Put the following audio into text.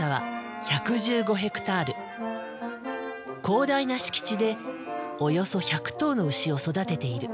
広大な敷地でおよそ１００頭の牛を育てている。